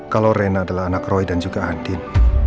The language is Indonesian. kalau rena adalah anak roy dan juga adin